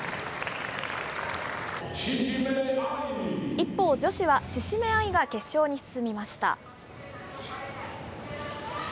一方、女子は志々目愛が決勝に進みました。